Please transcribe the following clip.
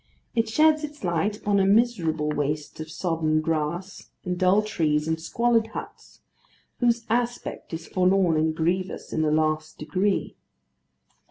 It sheds its light upon a miserable waste of sodden grass, and dull trees, and squalid huts, whose aspect is forlorn and grievous in the last degree.